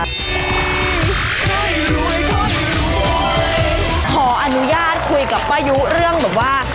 ขออนุญาตคุยกับป้ายุเรื่องแบบว่า